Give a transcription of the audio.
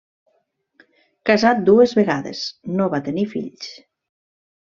Casat dues vegades, no va tenir fills.